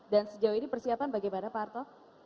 dan sejauh ini persiapan bagaimana pak arto